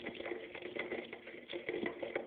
د څپلیو په پښو کول د پښتنو دود دی.